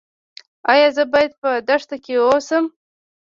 ایا زه باید په دښته کې اوسم؟